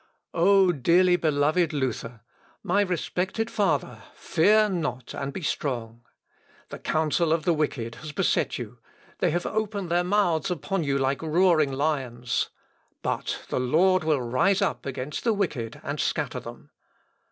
O dearly beloved Luther! my respected father, fear not and be strong. The counsel of the wicked has beset you, they have opened their mouths upon you like roaring lions. But the Lord will rise up against the wicked and scatter them.